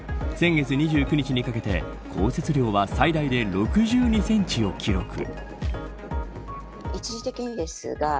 先月２９日にかけて降雪量は最大で６２センチを記録。